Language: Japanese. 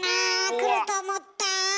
くると思った！